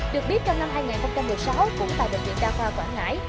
được biết trong năm hai nghìn một mươi sáu cũng tại bệnh viện đa khoa quảng ngãi